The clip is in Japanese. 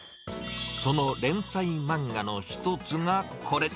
その連載漫画の１つがこれ。